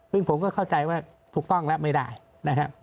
ซึ่งผมก็เข้าใจว่าถูกต้องแล้วไม่ได้นะครับ